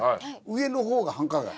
上の方が繁華街。